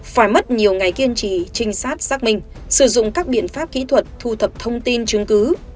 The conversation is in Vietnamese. phải mất nhiều ngày kiên trì trinh sát xác minh sử dụng các biện pháp kỹ thuật thu thập thông tin chứng cứ